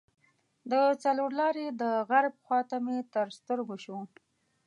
د څلور لارې د غرب خواته مې تر سترګو شو.